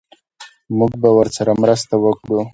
موږ به ورسره مرسته وکړو